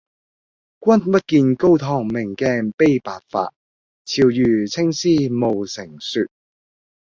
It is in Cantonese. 君不見高堂明鏡悲白髮，朝如青絲暮成雪